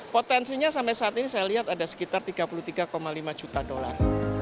potensinya sampai saat ini saya lihat ada sekitar tiga puluh tiga lima juta dolar